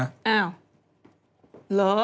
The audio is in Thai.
อ้าว